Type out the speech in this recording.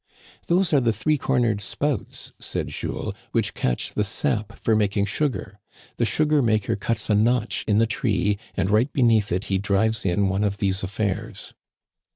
Those are the three cornered spouts," said Jules, "which catch the sap for making sugar. The sugar maker cuts a notch in the tree and right beneath it he drives in one of these affairs."